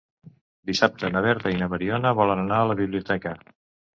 Dissabte na Berta i na Mariona volen anar a la biblioteca.